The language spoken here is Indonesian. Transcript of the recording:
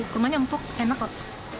kurmanya empuk enak kok